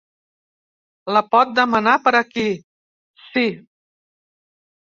La pot demanar per aquí, sí.